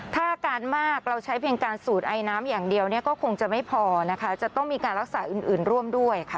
ถ้าอาการมากเราใช้เพียงการสูดไอน้ำอย่างเดียวเนี่ยก็คงจะไม่พอนะคะจะต้องมีการรักษาอื่นร่วมด้วยค่ะ